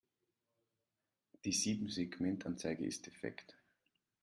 Die Siebensegmentanzeige ist defekt.